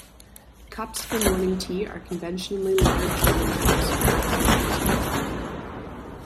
Cups for morning tea are conventionally larger than cups for afternoon tea.